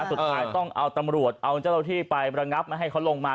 สุดท้ายต้องเอาตำรวจเอาเจ้าที่ไประงับไม่ให้เขาลงมา